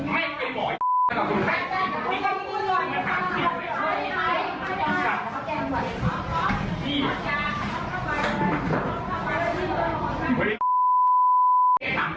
มึงไม่มึง